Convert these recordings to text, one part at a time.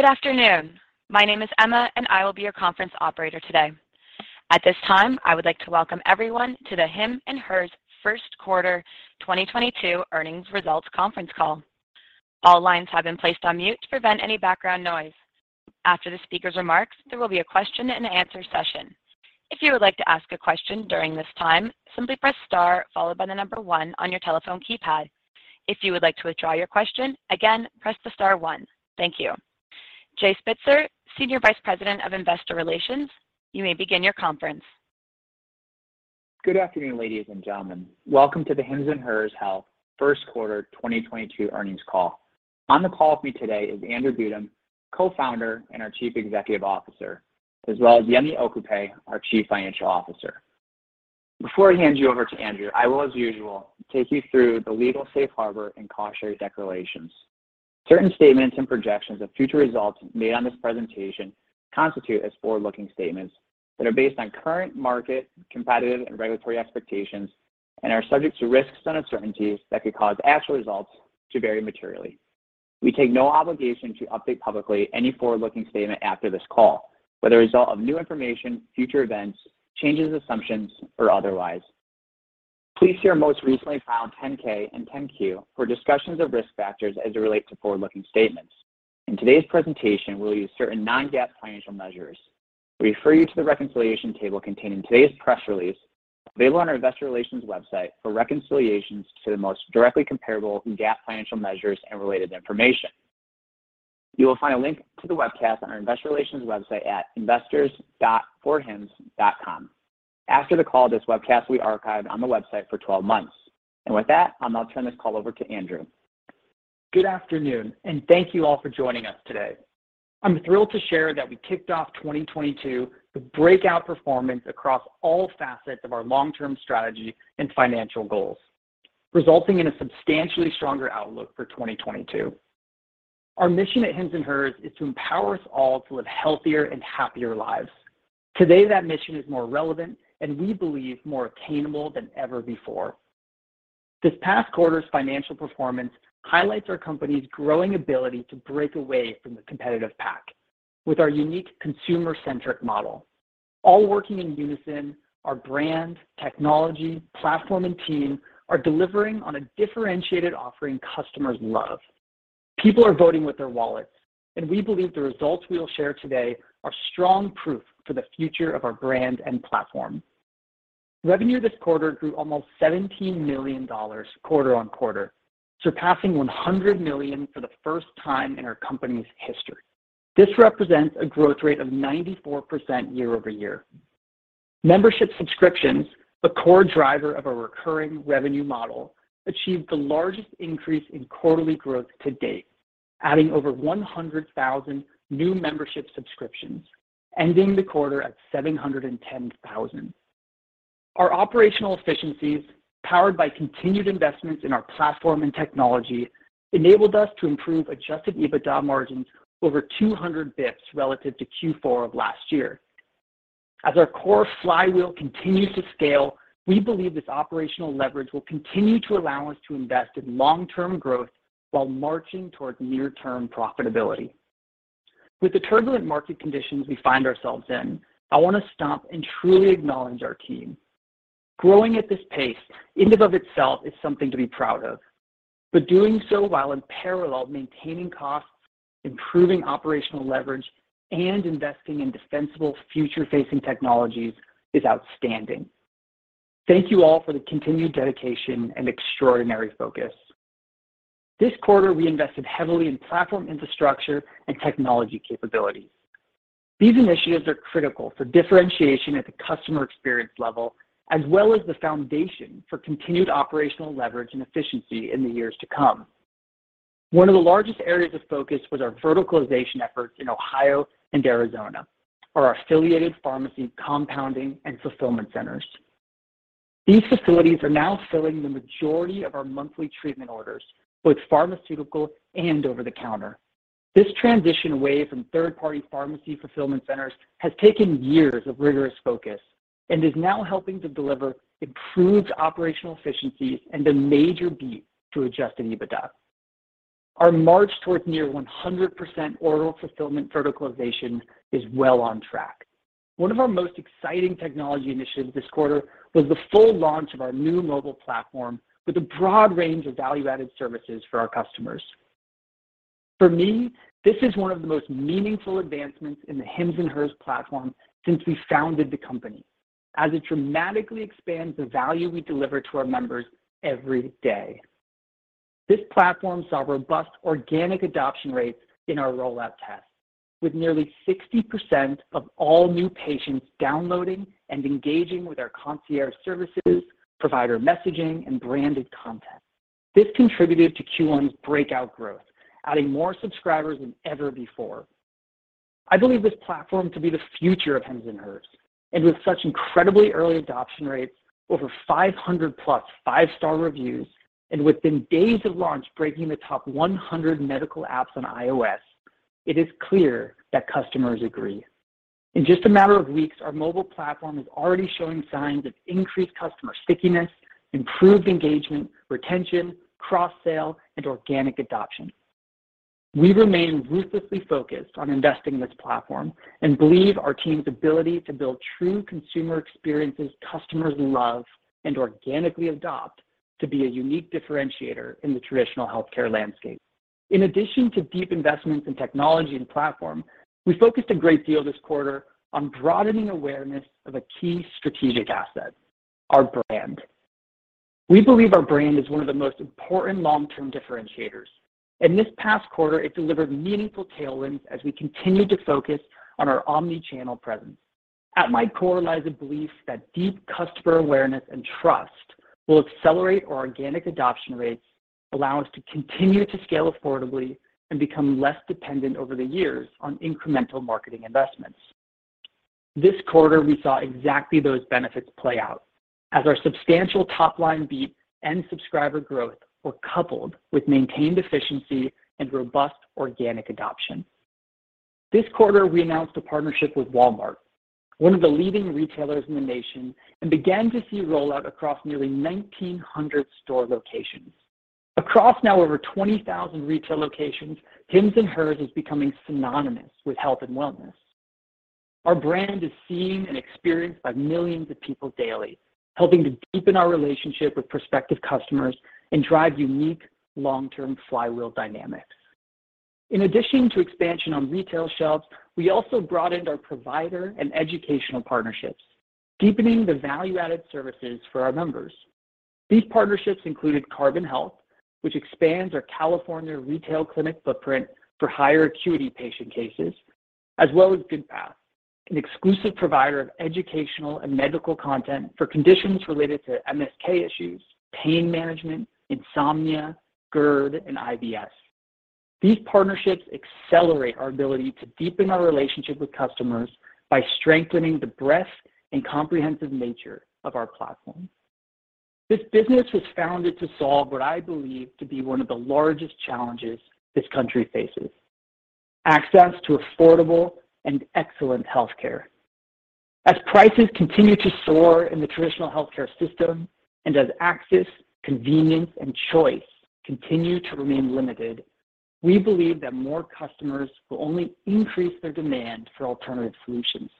Good afternoon. My name is Emma, and I will be your conference operator today. At this time, I would like to welcome everyone to the Hims & Hers Q1 2022 earnings results conference call. All lines have been placed on mute to prevent any background noise. After the speaker's remarks, there will be a question and answer session. If you would like to ask a question during this time, simply press star followed by the number one on your telephone keypad. If you would like to withdraw your question, again, press the star one. Thank you. Jay Spitzer, Senior Vice President of Investor Relations, you may begin your conference. Good afternoon, ladies and gentlemen. Welcome to the Hims & Hers Health Q2 2022 earnings call. On the call with me today is Andrew Dudum, Co-founder and our Chief Executive Officer, as well as Yemi Okupe, our Chief Financial Officer. Before I hand you over to Andrew, I will, as usual, take you through the legal safe harbor and cautionary declarations. Certain statements and projections of future results made on this presentation constitute as forward-looking statements that are based on current market, competitive, and regulatory expectations and are subject to risks and uncertainties that could cause actual results to vary materially. We take no obligation to update publicly any forward-looking statement after this call, but the result of new information, future events, changes, assumptions, or otherwise. Please see our most recently filed 10-K and 10-Q for discussions of risk factors as it relates to forward-looking statements. In today's presentation, we'll use certain non-GAAP financial measures. We refer you to the reconciliation table contained in today's press release available on our investor relations website for reconciliations to the most directly comparable GAAP financial measures and related information. You will find a link to the webcast on our investor relations website at investors.hims.com. After the call, this webcast will be archived on the website for 12 months. With that, I'll now turn this call over to Andrew. Good afternoon, and thank you all for joining us today. I'm thrilled to share that we kicked off 2022 with breakout performance across all facets of our long-term strategy and financial goals, resulting in a substantially stronger outlook for 2022. Our mission at Hims & Hers is to empower us all to live healthier and happier lives. Today, that mission is more relevant and we believe more attainable than ever before. This past quarter's financial performance highlights our company's growing ability to break away from the competitive pack with our unique consumer-centric model. All working in unison, our brand, technology, platform, and team are delivering on a differentiated offering customers love. People are voting with their wallets, and we believe the results we will share today are strong proof for the future of our brand and platform. Revenue this quarter grew almost $17 million quarter-over-quarter, surpassing $100 million for the first time in our company's history. This represents a growth rate of 94% year-over-year. Membership subscriptions, the core driver of our recurring revenue model, achieved the largest increase in quarterly growth to date, adding over 100,000 new membership subscriptions, ending the quarter at 710,000. Our operational efficiencies, powered by continued investments in our platform and technology, enabled us to improve adjusted EBITDA margins over 200 basis points relative to Q4 of last year. As our core flywheel continues to scale, we believe this operational leverage will continue to allow us to invest in long-term growth while marching toward near-term profitability. With the turbulent market conditions we find ourselves in, I want to stop and truly acknowledge our team. Growing at this pace in and of itself is something to be proud of, but doing so while in parallel, maintaining costs, improving operational leverage, and investing in defensible future-facing technologies is outstanding. Thank you all for the continued dedication and extraordinary focus. This quarter, we invested heavily in platform infrastructure and technology capabilities. These initiatives are critical for differentiation at the customer experience level, as well as the foundation for continued operational leverage and efficiency in the years to come. One of the largest areas of focus was our verticalization efforts in Ohio and Arizona for our affiliated pharmacy compounding and fulfillment centers. These facilities are now filling the majority of our monthly treatment orders, both pharmaceutical and over the counter. This transition away from third-party pharmacy fulfillment centers has taken years of rigorous focus and is now helping to deliver improved operational efficiencies and a major beat to adjusted EBITDA. Our march towards near 100% oral fulfillment verticalization is well on track. One of our most exciting technology initiatives this quarter was the full launch of our new mobile platform with a broad range of value-added services for our customers. For me, this is one of the most meaningful advancements in the Hims & Hers platform since we founded the company, as it dramatically expands the value we deliver to our members every day. This platform saw robust organic adoption rates in our rollout test, with nearly 60% of all new patients downloading and engaging with our concierge services, provider messaging, and branded content. This contributed to Q1's breakout growth, adding more subscribers than ever before. I believe this platform to be the future of Hims & Hers, and with such incredibly early adoption rates, over 500+ five-star reviews, and within days of launch, breaking the top 100 medical apps on iOS, it is clear that customers agree. In just a matter of weeks, our mobile platform is already showing signs of increased customer stickiness, improved engagement, retention, cross-sale, and organic adoption. We remain ruthlessly focused on investing in this platform and believe our team's ability to build true consumer experiences customers love and organically adopt to be a unique differentiator in the traditional healthcare landscape. In addition to deep investments in technology and platform, we focused a great deal this quarter on broadening awareness of a key strategic asset, our brand. We believe our brand is one of the most important long-term differentiators. In this past quarter, it delivered meaningful tailwinds as we continued to focus on our omni-channel presence. At my core lies a belief that deep customer awareness and trust will accelerate our organic adoption rates, allow us to continue to scale affordably, and become less dependent over the years on incremental marketing investments. This quarter, we saw exactly those benefits play out as our substantial top-line beat and subscriber growth were coupled with maintained efficiency and robust organic adoption. This quarter, we announced a partnership with Walmart, one of the leading retailers in the nation, and began to see rollout across nearly 1,900 store locations. Across now over 20,000 retail locations, Hims & Hers is becoming synonymous with health and wellness. Our brand is seen and experienced by millions of people daily, helping to deepen our relationship with prospective customers and drive unique long-term flywheel dynamics. In addition to expansion on retail shelves, we also broadened our provider and educational partnerships, deepening the value-added services for our members. These partnerships included Carbon Health, which expands our California retail clinic footprint for higher acuity patient cases, as well as Goodpath, an exclusive provider of educational and medical content for conditions related to MSK issues, pain management, insomnia, GERD, and IBS. These partnerships accelerate our ability to deepen our relationship with customers by strengthening the breadth and comprehensive nature of our platform. This business was founded to solve what I believe to be one of the largest challenges this country faces, access to affordable and excellent healthcare. As prices continue to soar in the traditional healthcare system and as access, convenience, and choice continue to remain limited, we believe that more customers will only increase their demand for alternative solutions.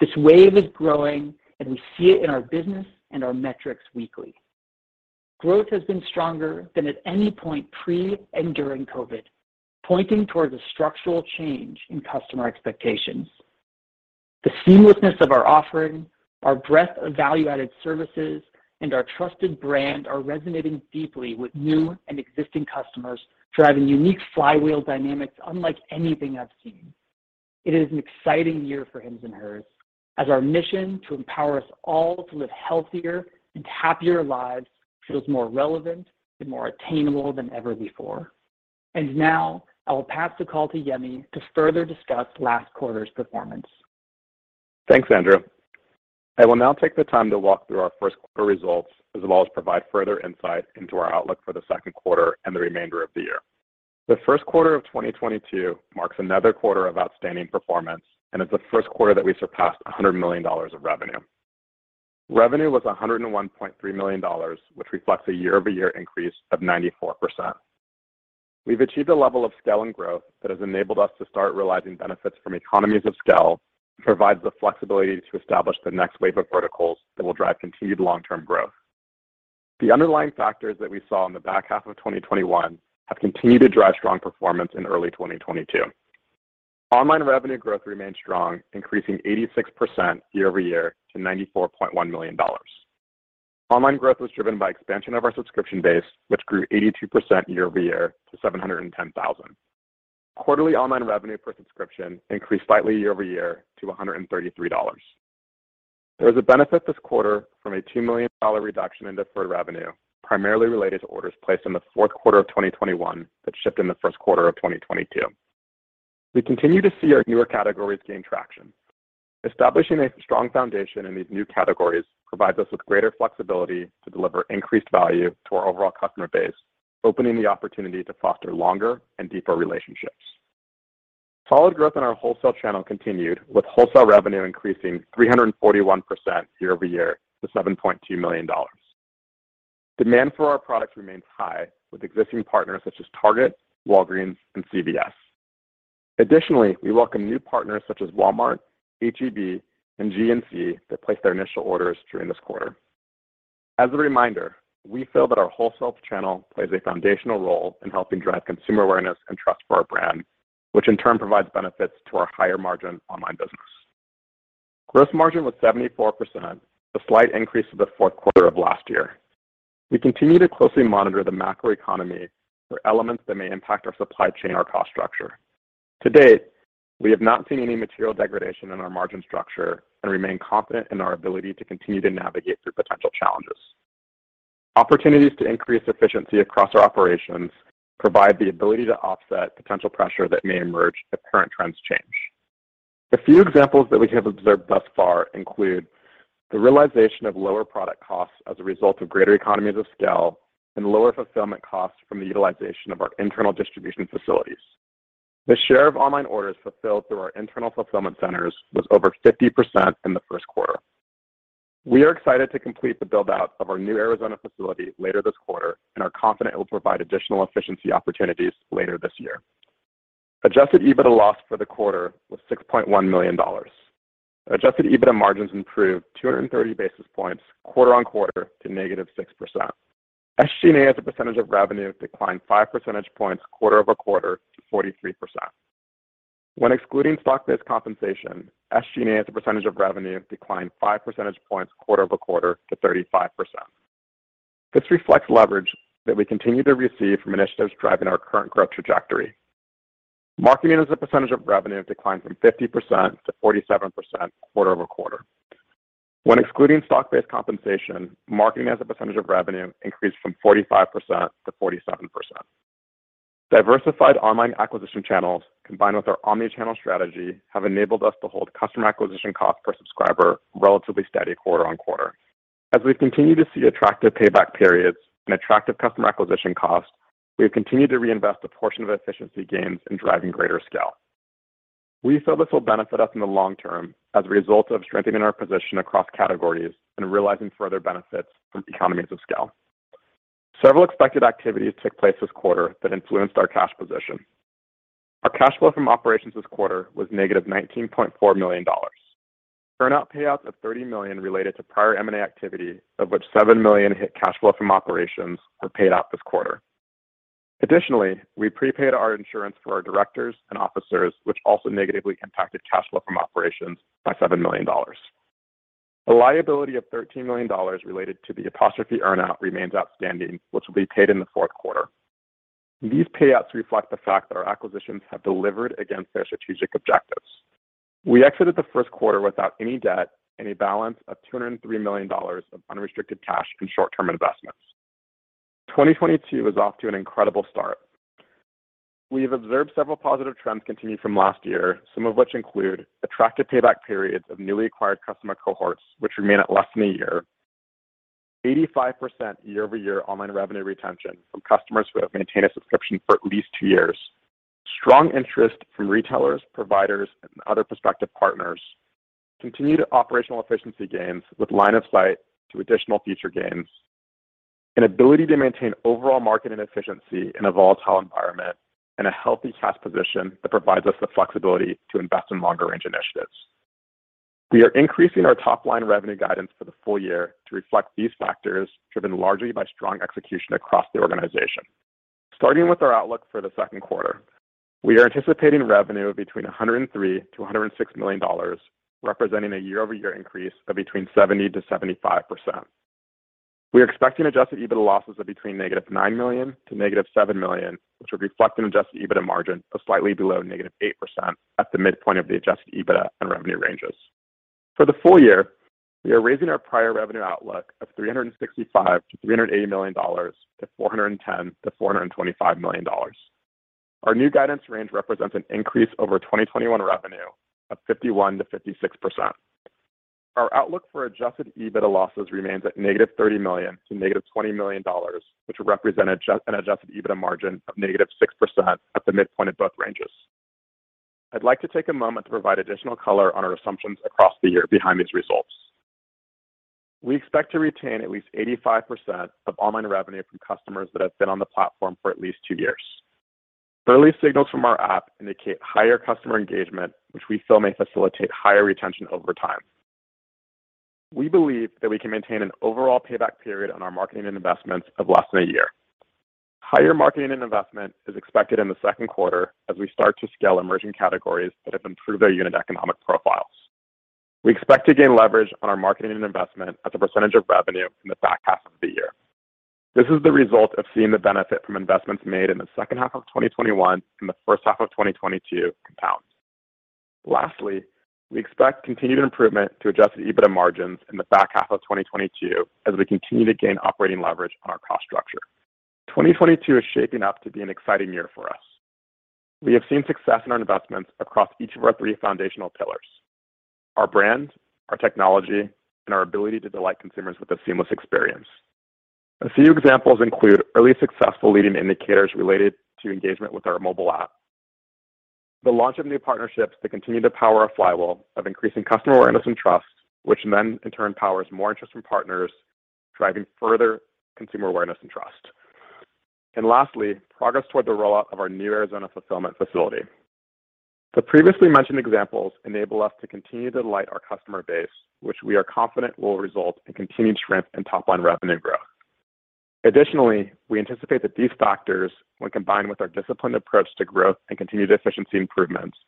This wave is growing, and we see it in our business and our metrics weekly. Growth has been stronger than at any point pre and during COVID, pointing towards a structural change in customer expectations. The seamlessness of our offering, our breadth of value-added services, and our trusted brand are resonating deeply with new and existing customers, driving unique flywheel dynamics unlike anything I've seen. It is an exciting year for Hims & Hers as our mission to empower us all to live healthier and happier lives feels more relevant and more attainable than ever before. Now, I will pass the call to Yemi to further discuss last quarter's performance. Thanks, Andrew. I will now take the time to walk through our Q1 results, as well as provide further insight into our outlook for the Q2 and the remainder of the year. The Q1 of 2022 marks another quarter of outstanding performance and is the Q1 that we surpassed $100 million of revenue. Revenue was $101.3 million, which reflects a year-over-year increase of 94%. We've achieved a level of scale and growth that has enabled us to start realizing benefits from economies of scale and provides the flexibility to establish the next wave of verticals that will drive continued long-term growth. The underlying factors that we saw in the back half of 2021 have continued to drive strong performance in early 2022. Online revenue growth remained strong, increasing 86% year-over-year to $94.1 million. Online growth was driven by expansion of our subscription base, which grew 82% year-over-year to 710,000. Quarterly online revenue per subscription increased slightly year-over-year to $133. There was a benefit this quarter from a $2 million reduction in deferred revenue, primarily related to orders placed in the Q4 of 2021 that shipped in the Q1 of 2022. We continue to see our newer categories gain traction. Establishing a strong foundation in these new categories provides us with greater flexibility to deliver increased value to our overall customer base, opening the opportunity to foster longer and deeper relationships. Solid growth in our wholesale channel continued, with wholesale revenue increasing 341% year-over-year to $7.2 million. Demand for our products remains high with existing partners such as Target, Walgreens, and CVS. Additionally, we welcome new partners such as Walmart, H-E-B, and GNC that placed their initial orders during this quarter. As a reminder, we feel that our wholesale channel plays a foundational role in helping drive consumer awareness and trust for our brand, which in turn provides benefits to our higher margin online business. Gross margin was 74%, a slight increase to the Q4 of last year. We continue to closely monitor the macroeconomy for elements that may impact our supply chain or cost structure. To date, we have not seen any material degradation in our margin structure and remain confident in our ability to continue to navigate through potential challenges. Opportunities to increase efficiency across our operations provide the ability to offset potential pressure that may emerge if current trends change. A few examples that we have observed thus far include. The realization of lower product costs as a result of greater economies of scale and lower fulfillment costs from the utilization of our internal distribution facilities. The share of online orders fulfilled through our internal fulfillment centers was over 50% in the Q1. We are excited to complete the build-out of our new Arizona facility later this quarter, and are confident it will provide additional efficiency opportunities later this year. Adjusted EBITDA loss for the quarter was $6.1 million. Adjusted EBITDA margins improved 230 basis points quarter-over-quarter to -6%. SG&A as a percentage of revenue declined 5 percentage points quarter-over-quarter to 43%. When excluding stock-based compensation, SG&A as a percentage of revenue declined 5 percentage points quarter-over-quarter to 35%. This reflects leverage that we continue to receive from initiatives driving our current growth trajectory. Marketing as a percentage of revenue declined from 50% to 47% quarter-over-quarter. When excluding stock-based compensation, marketing as a percentage of revenue increased from 45% to 47%. Diversified online acquisition channels combined with our omni-channel strategy have enabled us to hold customer acquisition costs per subscriber relatively steady quarter-over-quarter. As we continue to see attractive payback periods and attractive customer acquisition costs, we have continued to reinvest a portion of efficiency gains in driving greater scale. We feel this will benefit us in the long term as a result of strengthening our position across categories and realizing further benefits from economies of scale. Several expected activities took place this quarter that influenced our cash position. Our cash flow from operations this quarter was negative $19.4 million. Earn-out payouts of $30 million related to prior M&A activity, of which $7 million hit cash flow from operations, were paid out this quarter. Additionally, we prepaid our insurance for our directors and officers, which also negatively impacted cash flow from operations by $7 million. A liability of $13 million related to the Apostrophe earn-out remains outstanding, which will be paid in the Q4. These payouts reflect the fact that our acquisitions have delivered against their strategic objectives. We exited the Q1 without any debt and a balance of $203 million of unrestricted cash and short-term investments. 2022 is off to an incredible start. We have observed several positive trends continued from last year, some of which include attractive payback periods of newly acquired customer cohorts, which remain at less than a year. 85% year-over-year online revenue retention from customers who have maintained a subscription for at least two years. Strong interest from retailers, providers, and other prospective partners. Continued operational efficiency gains with line of sight to additional future gains. An ability to maintain overall market and efficiency in a volatile environment, and a healthy cash position that provides us the flexibility to invest in longer-range initiatives. We are increasing our top-line revenue guidance for the full year to reflect these factors, driven largely by strong execution across the organization. Starting with our outlook for the Q2, we are anticipating revenue of $103 million-$106 million, representing a year-over-year increase of 70%-75%. We are expecting adjusted EBITDA losses of -$9 million-$7 million, which would reflect an adjusted EBITDA margin of slightly below -8% at the midpoint of the adjusted EBITDA and revenue ranges. For the full year, we are raising our prior revenue outlook of $365 million-$380 million to $410 million-$425 million. Our new guidance range represents an increase over 2021 revenue of 51%-56%. Our outlook for adjusted EBITDA losses remains at negative $30 million to negative $20 million, which would represent an adjusted EBITDA margin of negative 6% at the midpoint of both ranges. I'd like to take a moment to provide additional color on our assumptions across the year behind these results. We expect to retain at least 85% of online revenue from customers that have been on the platform for at least two years. Early signals from our app indicate higher customer engagement, which we feel may facilitate higher retention over time. We believe that we can maintain an overall payback period on our marketing and investments of less than a year. Higher marketing and investment is expected in the Q2 as we start to scale emerging categories that have improved our unit economic profiles. We expect to gain leverage on our marketing and investment as a percentage of revenue in the back half of the year. This is the result of seeing the benefit from investments made in the second half of 2021 and the first half of 2022 compound. Lastly, we expect continued improvement to adjusted EBITDA margins in the back half of 2022 as we continue to gain operating leverage on our cost structure. 2022 is shaping up to be an exciting year for us. We have seen success in our investments across each of our three foundational pillars, our brand, our technology, and our ability to delight consumers with a seamless experience. A few examples include early successful leading indicators related to engagement with our mobile app. The launch of new partnerships that continue to power a flywheel of increasing customer awareness and trust, which then in turn powers more interest from partners, driving further consumer awareness and trust. Lastly, progress toward the rollout of our new Arizona fulfillment facility. The previously mentioned examples enable us to continue to delight our customer base, which we are confident will result in continued strength in top-line revenue growth. Additionally, we anticipate that these factors, when combined with our disciplined approach to growth and continued efficiency improvements,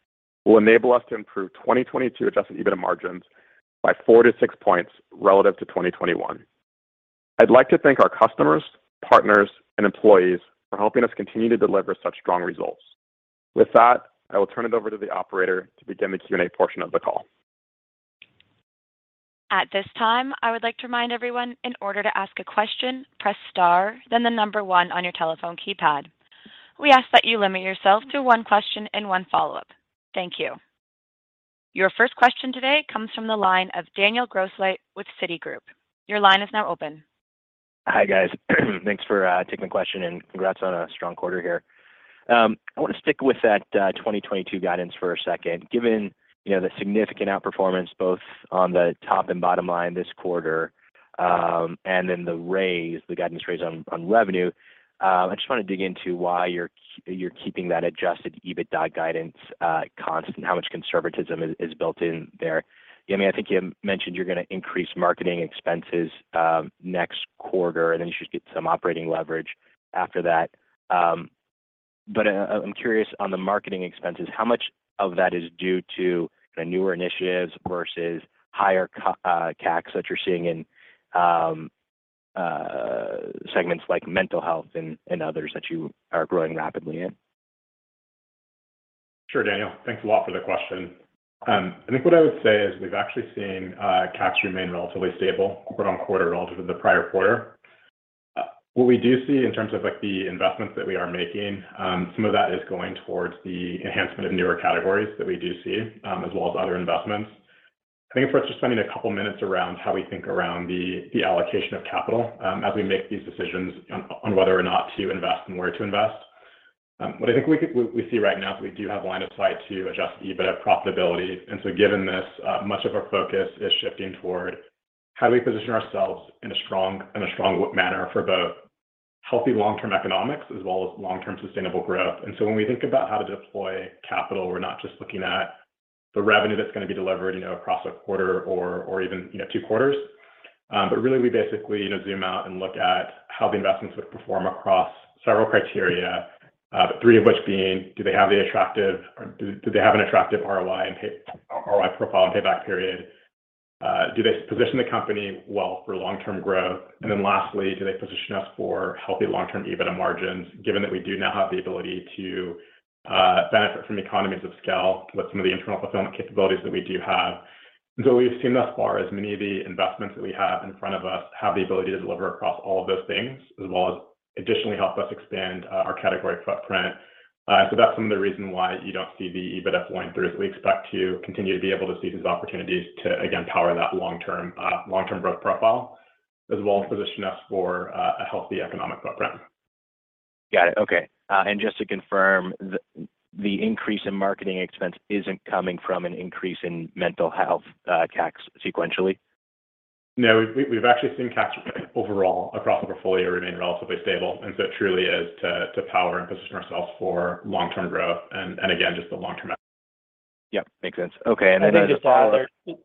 will enable us to improve 2022 adjusted EBITDA margins by 4-6 points relative to 2021. I'd like to thank our customers, partners, and employees for helping us continue to deliver such strong results. With that, I will turn it over to the operator to begin the Q&A portion of the call. At this time, I would like to remind everyone, in order to ask a question, press star, then the number one on your telephone keypad. We ask that you limit yourself to one question and one follow-up. Thank you. Your first question today comes from the line of Daniel Grosslight with Citigroup. Your line is now open. Hi, guys. Thanks for taking the question, and congrats on a strong quarter here. I wanna stick with that 2022 guidance for a second. Given, you know, the significant outperformance both on the top and bottom line this quarter, and then the raise, the guidance raise on revenue, I just wanna dig into why you're keeping that adjusted EBITDA guidance constant. How much conservatism is built in there? I mean, I think you mentioned you're gonna increase marketing expenses next quarter, and then you should get some operating leverage after that. I'm curious on the marketing expenses, how much of that is due to the newer initiatives versus higher CAC that you're seeing in segments like mental health and others that you are growing rapidly in? Sure, Daniel. Thanks a lot for the question. I think what I would say is we've actually seen CAC remain relatively stable quarter-over-quarter relative to the prior quarter. What we do see in terms of, like, the investments that we are making, some of that is going towards the enhancement of newer categories that we do see, as well as other investments. I think it's worth just spending a couple minutes around how we think around the allocation of capital, as we make these decisions on whether or not to invest and where to invest. What we see right now is we do have line of sight to adjust EBITDA profitability. Given this, much of our focus is shifting toward how do we position ourselves in a strong manner for both healthy long-term economics as well as long-term sustainable growth. When we think about how to deploy capital, we're not just looking at the revenue that's gonna be delivered, you know, across a quarter or even, you know, two quarters. Really we basically, you know, zoom out and look at how the investments would perform across several criteria, but three of which being, do they have an attractive ROI profile and payback period? Do they position the company well for long-term growth? Lastly, do they position us for healthy long-term EBITDA margins, given that we do now have the ability to benefit from economies of scale with some of the internal fulfillment capabilities that we do have. We've seen thus far is many of the investments that we have in front of us have the ability to deliver across all of those things, as well as additionally help us expand our category footprint. That's some of the reason why you don't see the EBITDA going through, is we expect to continue to be able to seize these opportunities to, again, power that long-term growth profile, as well as position us for a healthy economic footprint. Got it. Okay. Just to confirm, the increase in marketing expense isn't coming from an increase in mental health CAC sequentially? No. We've actually seen CAC overall across the portfolio remain relatively stable, and so it truly is to power and position ourselves for long-term growth and again, just the long-term. Yeah. Makes sense. Okay, as a follow-up Just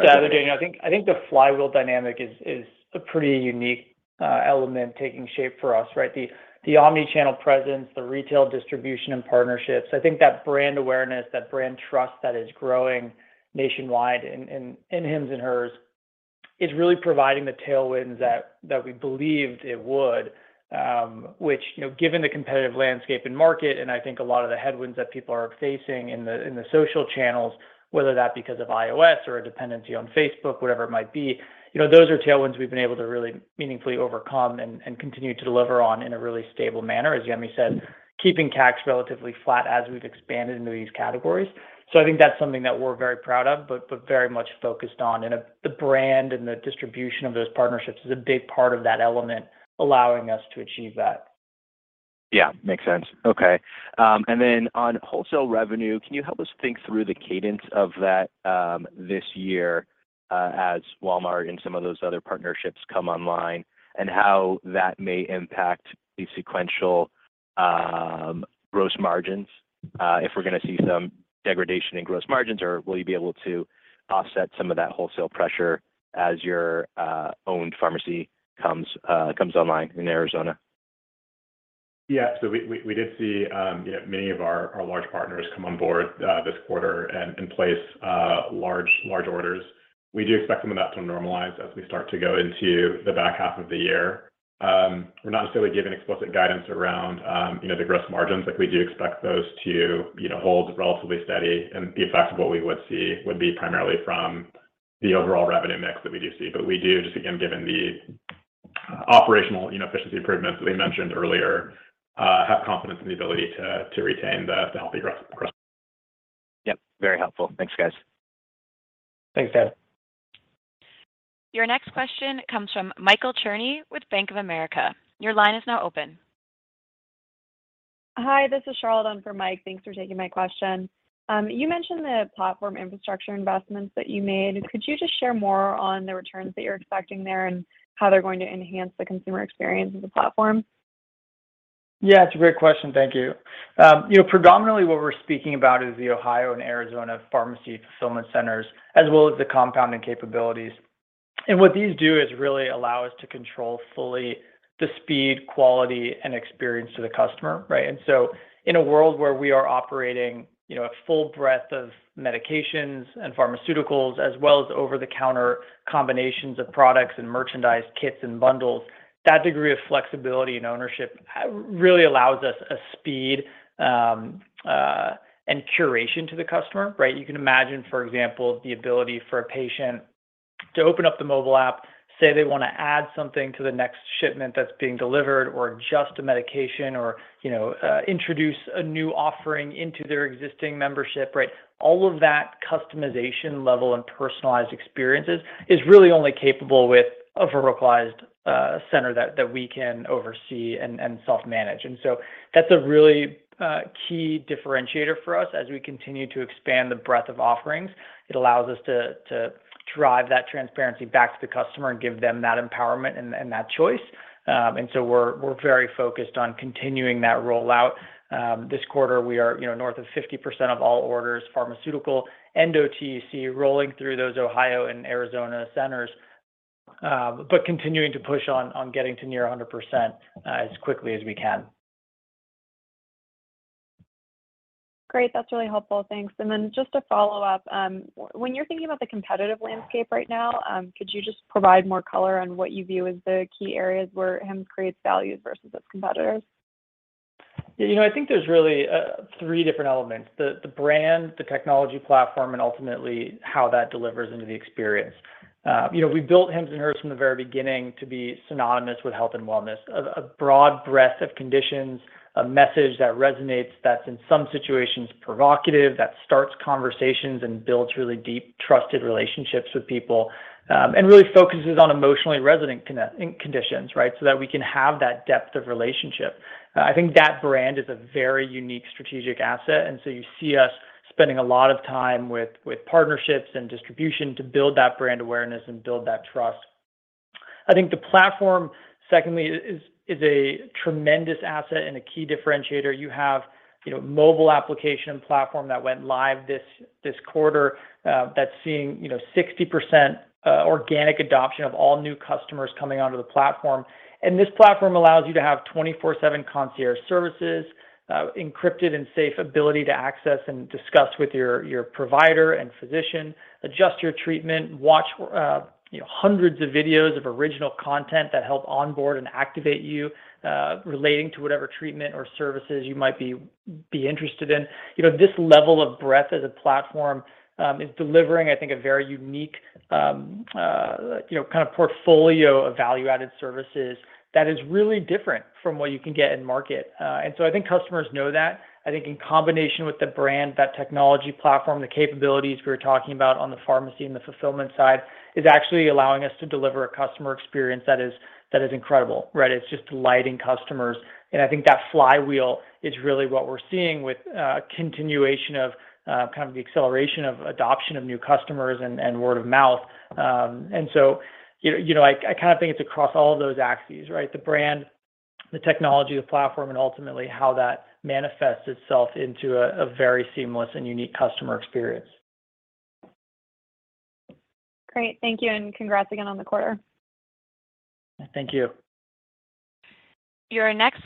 to add there, Daniel. I think the flywheel dynamic is a pretty unique element taking shape for us, right? The omni-channel presence, the retail distribution and partnerships. I think that brand awareness, that brand trust that is growing nationwide in Hims & Hers is really providing the tailwinds that we believed it would. Which, you know, given the competitive landscape and market, and I think a lot of the headwinds that people are facing in the social channels, whether that's because of iOS or a dependency on Facebook, whatever it might be, you know, those are tailwinds we've been able to really meaningfully overcome and continue to deliver on in a really stable manner. As Yemi said, keeping CAC relatively flat as we've expanded into these categories. I think that's something that we're very proud of, but very much focused on. The brand and the distribution of those partnerships is a big part of that element allowing us to achieve that. Yeah. Makes sense. Okay. On wholesale revenue, can you help us think through the cadence of that this year, as Walmart and some of those other partnerships come online, and how that may impact the sequential gross margins? If we're gonna see some degradation in gross margins or will you be able to offset some of that wholesale pressure as your own pharmacy comes online in Arizona? Yeah. We did see, you know, many of our large partners come on board this quarter and place large orders. We do expect some of that to normalize as we start to go into the back half of the year. We're not necessarily giving explicit guidance around, you know, the gross margins. Like, we do expect those to, you know, hold relatively steady, and the effects of what we would see would be primarily from the overall revenue mix that we do see. We do just, again, given the operational, you know, efficiency improvements that we mentioned earlier, have confidence in the ability to retain the healthy gross Yep. Very helpful. Thanks, guys. Thanks, Daniel. Your next question comes from Michael Cherny with Bank of America. Your line is now open. Hi, this is Charlotte on for Mike. Thanks for taking my question. You mentioned the platform infrastructure investments that you made. Could you just share more on the returns that you're expecting there and how they're going to enhance the consumer experience of the platform? Yeah, it's a great question. Thank you. You know, predominantly what we're speaking about is the Ohio and Arizona pharmacy fulfillment centers, as well as the compounding capabilities. What these do is really allow us to control fully the speed, quality, and experience to the customer, right? In a world where we are operating, you know, a full breadth of medications and pharmaceuticals as well as over-the-counter combinations of products and merchandise kits and bundles, that degree of flexibility and ownership really allows us a speed and curation to the customer, right? You can imagine, for example, the ability for a patient to open up the mobile app, say they wanna add something to the next shipment that's being delivered or adjust a medication or, you know, introduce a new offering into their existing membership, right? All of that customization level and personalized experiences is really only capable with a verticalized center that we can oversee and self-manage. That's a really key differentiator for us as we continue to expand the breadth of offerings. It allows us to drive that transparency back to the customer and give them that empowerment and that choice. We're very focused on continuing that rollout. This quarter we are, you know, north of 50% of all orders, pharmaceutical and OTC rolling through those Ohio and Arizona centers, but continuing to push on getting to near 100%, as quickly as we can. Great. That's really helpful. Thanks. Just to follow up, when you're thinking about the competitive landscape right now, could you just provide more color on what you view as the key areas where Hims creates value versus its competitors? Yeah, you know, I think there's really three different elements. The brand, the technology platform, and ultimately how that delivers into the experience. You know, we built Hims & Hers from the very beginning to be synonymous with health and wellness. A broad breadth of conditions, a message that resonates that's in some situations provocative, that starts conversations and builds really deep trusted relationships with people, and really focuses on emotionally resonant conditions, right? So that we can have that depth of relationship. I think that brand is a very unique strategic asset, and so you see us spending a lot of time with partnerships and distribution to build that brand awareness and build that trust. I think the platform, secondly, is a tremendous asset and a key differentiator. You have, you know, mobile application platform that went live this quarter, that's seeing, you know, 60% organic adoption of all new customers coming onto the platform. This platform allows you to have 24/7 concierge services, encrypted and safe ability to access and discuss with your provider and physician, adjust your treatment, watch, you know, hundreds of videos of original content that help onboard and activate you, relating to whatever treatment or services you might be interested in. You know, this level of breadth as a platform is delivering, I think, a very unique, you know, kind of portfolio of value-added services that is really different from what you can get in market. I think customers know that. I think in combination with the brand, that technology platform, the capabilities we were talking about on the pharmacy and the fulfillment side, is actually allowing us to deliver a customer experience that is incredible, right? It's just delighting customers. I think that flywheel is really what we're seeing with continuation of kind of the acceleration of adoption of new customers and word of mouth. You know, I kind of think it's across all of those axes, right? The brand, the technology, the platform, and ultimately how that manifests itself into a very seamless and unique customer experience. Great. Thank you, and congrats again on the quarter. Thank you. Your next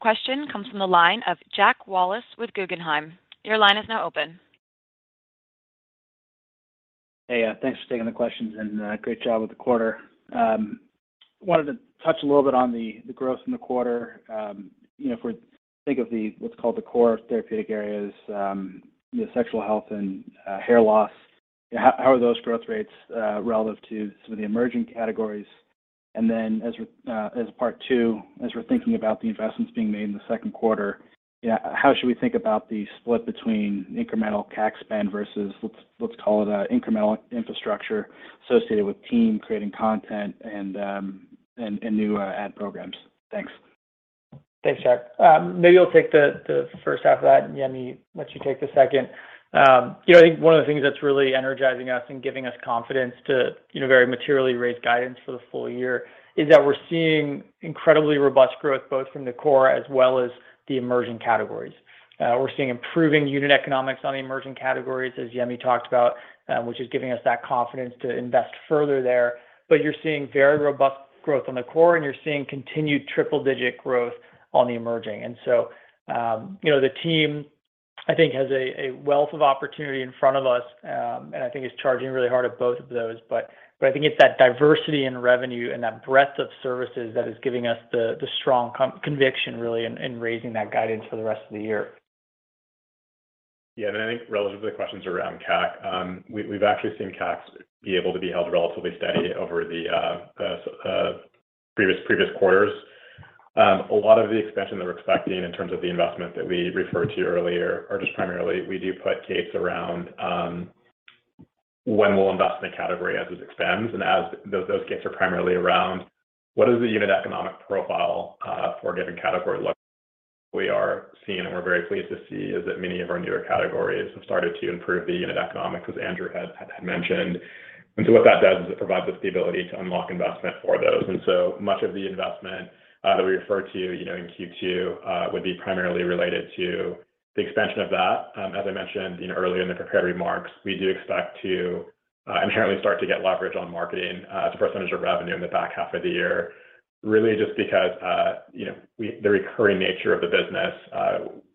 question comes from the line of Jack Wallace with Guggenheim. Your line is now open. Hey, thanks for taking the questions and great job with the quarter. Wanted to touch a little bit on the growth in the quarter. You know, if we think of what's called the core therapeutic areas, you know, sexual health and hair loss, how are those growth rates relative to some of the emerging categories? Then as we're thinking about the investments being made in the Q2, yeah, how should we think about the split between incremental CAC spend versus let's call it incremental infrastructure associated with team creating content and new ad programs? Thanks. Thanks, Jack. Maybe I'll take the first half of that, and Yemi, let you take the second. You know, I think one of the things that's really energizing us and giving us confidence to very materially raise guidance for the full year is that we're seeing incredibly robust growth both from the core as well as the emerging categories. We're seeing improving unit economics on the emerging categories, as Yemi talked about, which is giving us that confidence to invest further there. You're seeing very robust growth on the core, and you're seeing continued triple-digit growth on the emerging. You know, the team, I think, has a wealth of opportunity in front of us, and I think is charging really hard at both of those. I think it's that diversity in revenue and that breadth of services that is giving us the strong conviction, really, in raising that guidance for the rest of the year. I think relative to the questions around CAC, we've actually seen CACs be able to be held relatively steady over the previous quarters. A lot of the expansion that we're expecting in terms of the investment that we referred to earlier are just primarily we do put gates around when we'll invest in a category as it expands. Those gates are primarily around what does the unit economic profile for a given category look like. We are seeing, and we're very pleased to see, is that many of our newer categories have started to improve the unit economics, as Andrew had mentioned. What that does is it provides us the ability to unlock investment for those. Much of the investment that we refer to, you know, in Q2 would be primarily related to the expansion of that. As I mentioned, you know, earlier in the prepared remarks, we do expect to inherently start to get leverage on marketing as a percentage of revenue in the back half of the year, really just because, you know, the recurring nature of the business.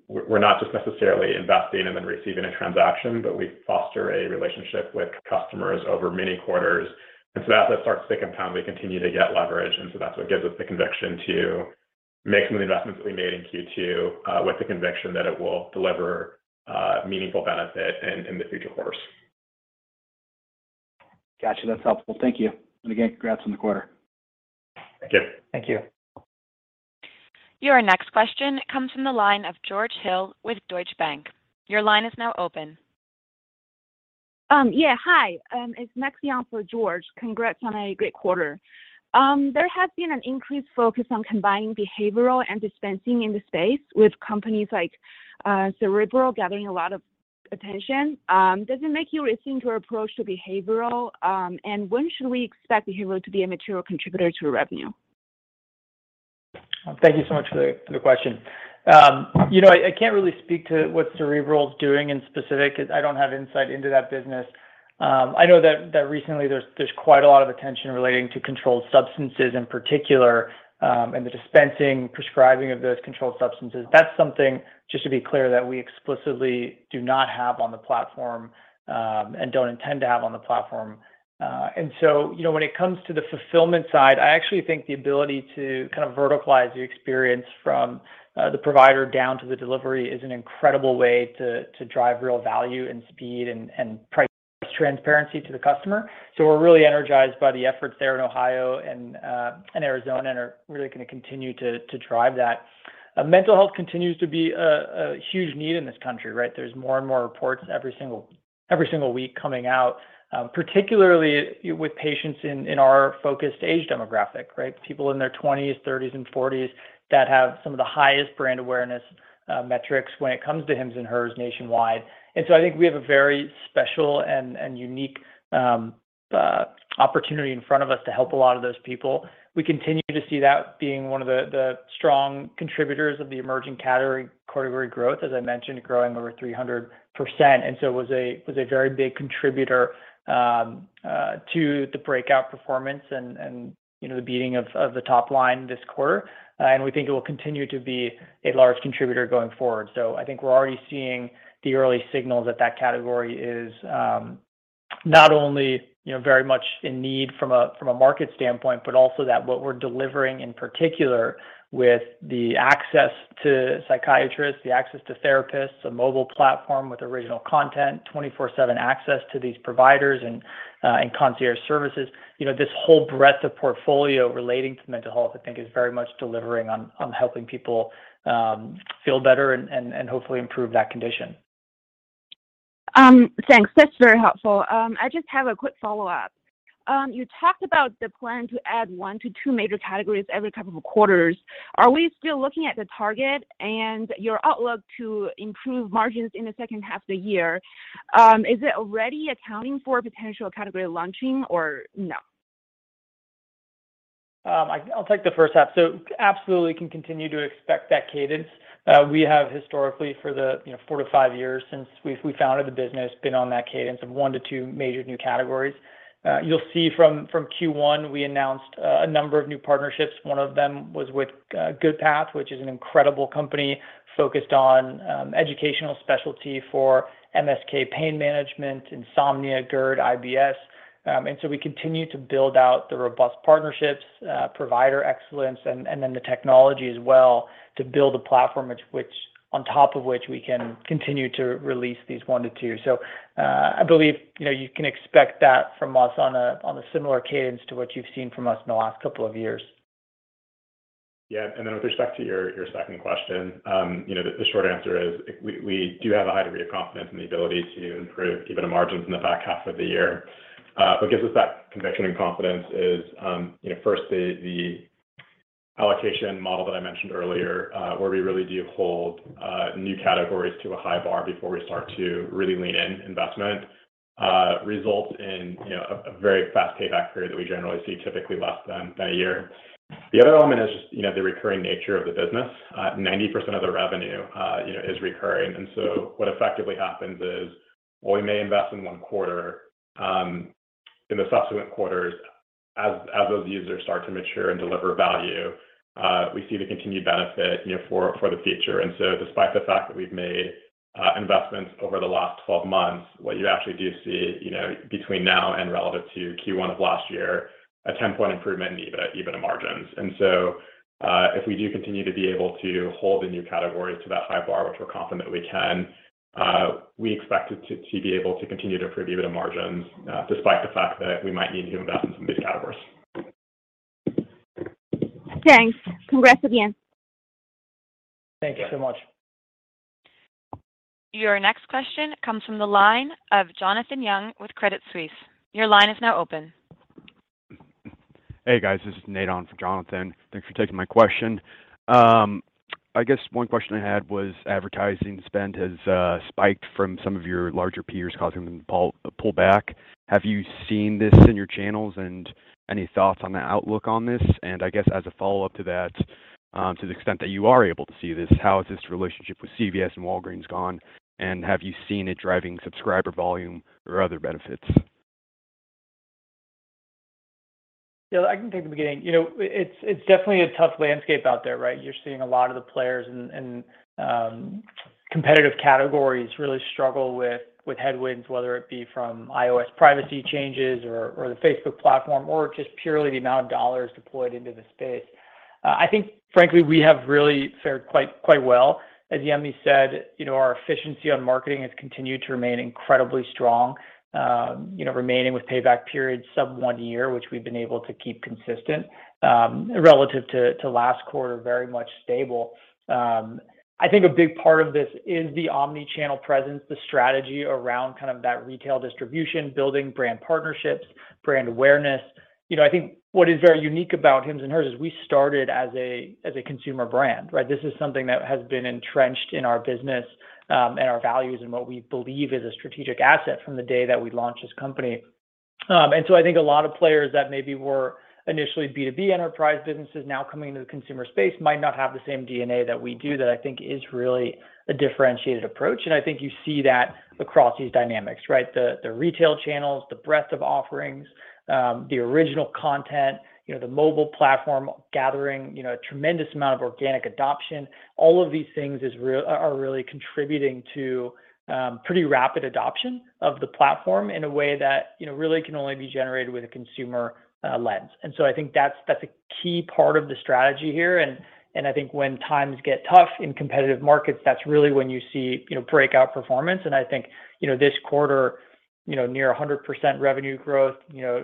We're not just necessarily investing and then receiving a transaction, but we foster a relationship with customers over many quarters. As that starts to compound, we continue to get leverage, and so that's what gives us the conviction to make some of the investments we made in Q2 with the conviction that it will deliver meaningful benefit in the future course. Got you. That's helpful. Thank you. Again, congrats on the quarter. Thank you. Thank you. Your next question comes from the line of George Hill with Deutsche Bank. Your line is now open. Yeah, hi, it's Maxion for George. Congrats on a great quarter. There has been an increased focus on combining behavioral and dispensing in the space with companies like Cerebral gathering a lot of attention. Does it make you rethink your approach to behavioral? When should we expect behavioral to be a material contributor to revenue? Thank you so much for the question. You know, I can't really speak to what Cerebral's doing in specific 'cause I don't have insight into that business. I know that recently there's quite a lot of attention relating to controlled substances in particular, and the dispensing, prescribing of those controlled substances. That's something, just to be clear, that we explicitly do not have on the platform, and don't intend to have on the platform. You know, when it comes to the fulfillment side, I actually think the ability to kind of verticalize the experience from the provider down to the delivery is an incredible way to drive real value and speed and price transparency to the customer. We're really energized by the efforts there in Ohio and Arizona, and are really gonna continue to drive that. Mental health continues to be a huge need in this country, right? There's more and more reports every single week coming out, particularly with patients in our focused age demographic, right? People in their twenties, thirties and forties that have some of the highest brand awareness metrics when it comes to Hims & Hers nationwide. I think we have a very special and unique opportunity in front of us to help a lot of those people. We continue to see that being one of the strong contributors of the emerging category growth, as I mentioned, growing over 300%. It was a very big contributor to the breakout performance and, you know, the beating of the top line this quarter. We think it will continue to be a large contributor going forward. I think we're already seeing the early signals that that category is not only, you know, very much in need from a market standpoint, but also that what we're delivering, in particular with the access to psychiatrists, the access to therapists, a mobile platform with original content, 24/7 access to these providers and concierge services. You know, this whole breadth of portfolio relating to mental health, I think is very much delivering on helping people feel better and hopefully improve that condition. Thanks. That's very helpful. I just have a quick follow-up. You talked about the plan to add 1-2 major categories every couple of quarters. Are we still looking at the target and your outlook to improve margins in the second half of the year? Is it already accounting for potential category launching or no? I'll take the first half, so absolutely can continue to expect that cadence. We have historically for the you know 4-5 years since we've founded the business been on that cadence of 1-2 major new categories. You'll see from Q1 we announced a number of new partnerships. One of them was with Goodpath, which is an incredible company focused on educational specialty for MSK pain management, insomnia, GERD, IBS. We continue to build out the robust partnerships, provider excellence and then the technology as well to build a platform, which on top of which we can continue to release these 1-2. I believe, you know, you can expect that from us on a similar cadence to what you've seen from us in the last couple of years. Yeah. Then with respect to your second question, you know, the short answer is we do have a high degree of confidence in the ability to improve EBITDA margins in the back half of the year. What gives us that conviction and confidence is, you know, first the allocation model that I mentioned earlier, where we really do hold new categories to a high bar before we start to really lean in investment results in, you know, a very fast payback period that we generally see typically less than a year. The other element is just, you know, the recurring nature of the business. 90% of the revenue, you know, is recurring. What effectively happens is, while we may invest in one quarter, in the subsequent quarters as those users start to mature and deliver value, we see the continued benefit, you know, for the future. Despite the fact that we've made investments over the last 12 months, what you actually do see, you know, between now and relative to Q1 of last year, a 10-point improvement in EBITDA margins. If we do continue to be able to hold the new categories to that high bar, which we're confident we can, we expect it to be able to continue to improve EBITDA margins, despite the fact that we might need new investments in these categories. Thanks. Congrats again. Thank you. Thank you so much. Your next question comes from the line of Jonathan Young with Credit Suisse. Your line is now open. Hey guys, this is Nate on for Jonathan. Thanks for taking my question. I guess one question I had was advertising spend has spiked from some of your larger peers causing them to pull back. Have you seen this in your channels and any thoughts on the outlook on this? I guess as a follow-up to that, to the extent that you are able to see this, how has this relationship with CVS and Walgreens gone, and have you seen it driving subscriber volume or other benefits? Yeah, I can take the beginning. You know, it's definitely a tough landscape out there, right? You're seeing a lot of the players and competitive categories really struggle with headwinds, whether it be from iOS privacy changes or the Facebook platform or just purely the amount of dollars deployed into the space. I think frankly, we have really fared quite well. As Yemi said, you know, our efficiency on marketing has continued to remain incredibly strong, you know, remaining with payback periods sub-one year, which we've been able to keep consistent, relative to last quarter, very much stable. I think a big part of this is the omni-channel presence, the strategy around kind of that retail distribution, building brand partnerships, brand awareness. You know, I think what is very unique about Hims & Hers is we started as a consumer brand, right? This is something that has been entrenched in our business, and our values and what we believe is a strategic asset from the day that we launched this company. I think a lot of players that maybe were initially B2B enterprise businesses now coming into the consumer space might not have the same DNA that we do that I think is really a differentiated approach. I think you see that across these dynamics, right? The retail channels, the breadth of offerings, the original content, you know, the mobile platform gathering, you know, a tremendous amount of organic adoption. All of these things are really contributing to pretty rapid adoption of the platform in a way that, you know, really can only be generated with a consumer lens. I think that's a key part of the strategy here, and I think when times get tough in competitive markets, that's really when you see, you know, breakout performance. I think, you know, this quarter, you know, near 100% revenue growth, you know,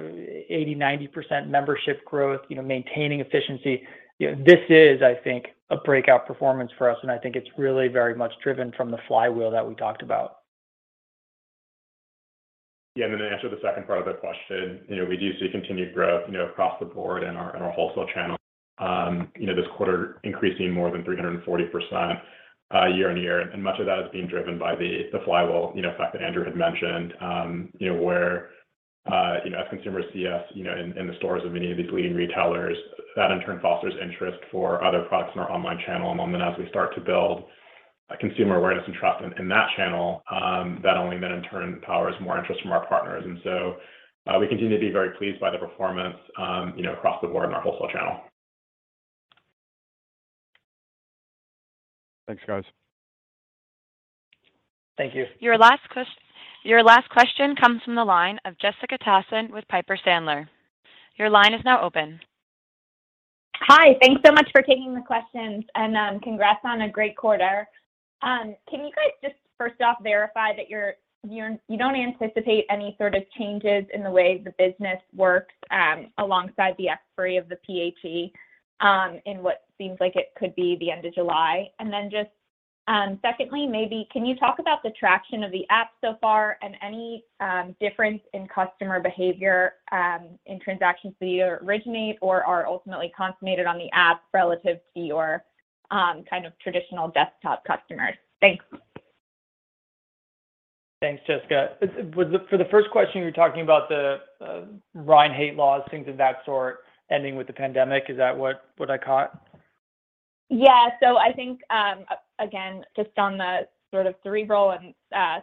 80%-90% membership growth, you know, maintaining efficiency. You know, this is, I think, a breakout performance for us, and I think it's really very much driven from the flywheel that we talked about. Yeah. To answer the second part of that question, you know, we do see continued growth, you know, across the board in our wholesale channel, this quarter increasing more than 340%, year-over-year. Much of that is being driven by the flywheel, you know, fact that Andrew had mentioned, you know, where, you know, as consumers see us, you know, in the stores of many of these leading retailers, that in turn fosters interest for other products in our online channel. As we start to build consumer awareness and trust in that channel, that only then in turn powers more interest from our partners. We continue to be very pleased by the performance, you know, across the board in our wholesale channel. Thanks, guys. Thank you. Your last question comes from the line of Jessica Tassan with Piper Sandler. Your line is now open. Hi. Thanks so much for taking the questions, and, congrats on a great quarter. Can you guys just first off verify that you don't anticipate any sort of changes in the way the business works, alongside the expiry of the PHE, in what seems like it could be the end of July? Then just, secondly, maybe can you talk about the traction of the app so far and any difference in customer behavior, in transactions that either originate or are ultimately consummated on the app relative to your, kind of traditional desktop customers? Thanks. Thanks, Jessica. For the first question, you were talking about the Ryan Haight laws, things of that sort, ending with the pandemic. Is that what I caught? Yeah. I think, again, just on the sort of Cerebral and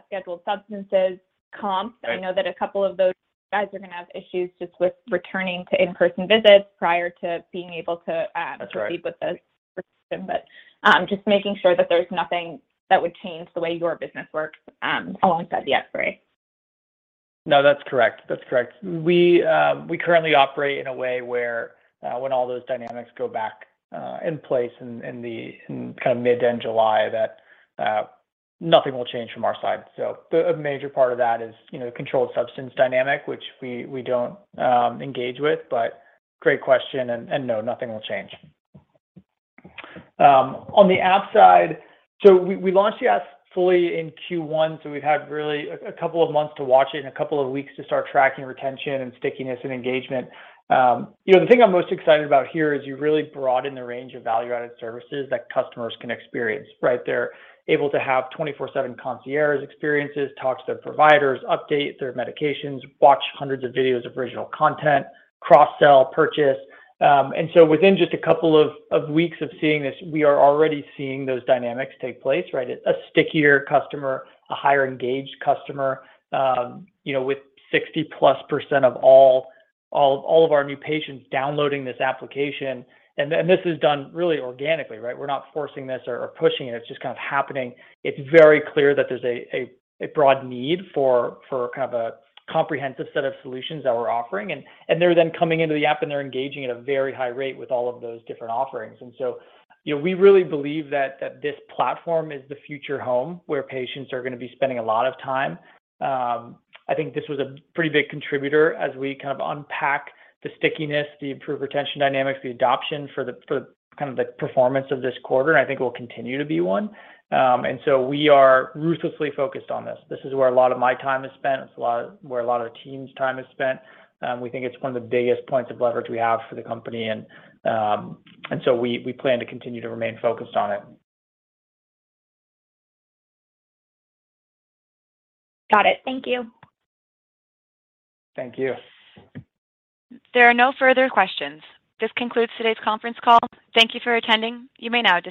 scheduled substances comp- Right I know that a couple of those guys are gonna have issues just with returning to in-person visits prior to being able to. That's right.... proceed with the prescription. Just making sure that there's nothing that would change the way your business works, alongside the expiry. No, that's correct. We currently operate in a way where, when all those dynamics go back in place in kind of mid to end July, nothing will change from our side. A major part of that is, you know, controlled substance dynamic, which we don't engage with. Great question, and no, nothing will change. On the app side, we launched the app fully in Q1, so we've had really a couple of months to watch it and a couple of weeks to start tracking retention and stickiness and engagement. You know, the thing I'm most excited about here is you really broaden the range of value-added services that customers can experience, right? They're able to have 24/7 concierge experiences, talk to their providers, update their medications, watch hundreds of videos of original content, cross-sell, purchase. Within just a couple of weeks of seeing this, we are already seeing those dynamics take place, right? A stickier customer, a higher engaged customer, you know, with 60+% of all of our new patients downloading this application. This is done really organically, right? We're not forcing this or pushing it. It's just kind of happening. It's very clear that there's a broad need for kind of a comprehensive set of solutions that we're offering. They're then coming into the app, and they're engaging at a very high rate with all of those different offerings. You know, we really believe that this platform is the future home where patients are gonna be spending a lot of time. I think this was a pretty big contributor as we kind of unpack the stickiness, the improved retention dynamics, the adoption for kind of the performance of this quarter, and I think will continue to be one. We are ruthlessly focused on this. This is where a lot of my time is spent. It's where a lot of the team's time is spent. We think it's one of the biggest points of leverage we have for the company, and we plan to continue to remain focused on it. Got it. Thank you. Thank you. There are no further questions. This concludes today's conference call. Thank you for attending. You may now disconnect.